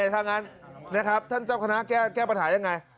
ทำยังไงถ้างั้นท่านเจ้าคณะแก้ปัญหาอย่างไร